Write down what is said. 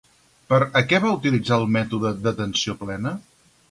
Per a què va utilitzar el mètode d'atenció plena?